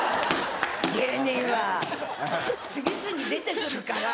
芸人は次々出て来るから。